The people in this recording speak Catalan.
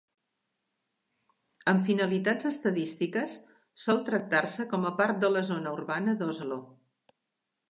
Amb finalitats estadístiques, sol tractar-se com a part de la zona urbana d'Oslo.